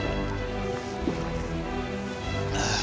ああ！